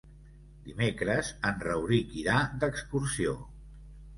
Dimecres en Rauric irà d'excursió.